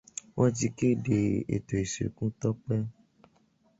Wọ́n ti kéde ètò ìsìnkú Tọ́pẹ́.